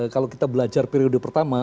kalau kita belajar periode pertama